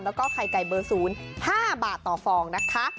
แล้วก็ไข่ไก่เบอร์๐๕บาทต่อฟองนะคะ